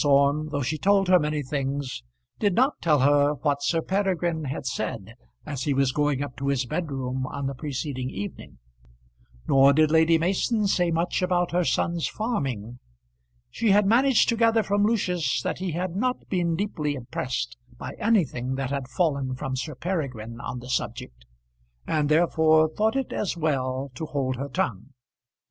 Orme, though she told her many things, did not tell her what Sir Peregrine had said as he was going up to his bedroom on the preceding evening, nor did Lady Mason say much about her son's farming. She had managed to gather from Lucius that he had not been deeply impressed by anything that had fallen from Sir Peregrine on the subject, and therefore thought it as well to hold her tongue.